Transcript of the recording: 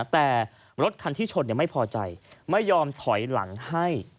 แต่รถคันที่ชนไม่พอใจไม่ยอมถอยหลังให้